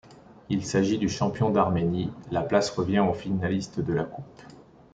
S'il s'agit du champion d'Arménie la place revient au finaliste de la coupe.